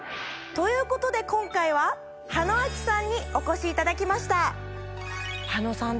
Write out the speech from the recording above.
ということで今回は羽野晶紀さんにお越しいただきました！